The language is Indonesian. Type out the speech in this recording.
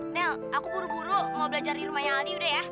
nel aku buru buru mau belajar di rumahnya aldi udah ya